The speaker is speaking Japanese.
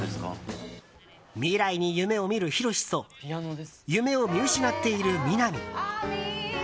未来に夢を見る博と夢を見失っている南。